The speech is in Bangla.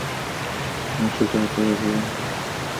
আচ্ছা, ভেতরে গিয়ে কথা বললে ভাল হয়, কী বলো?